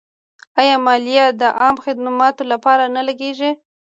آیا مالیه د عامه خدماتو لپاره نه لګیږي؟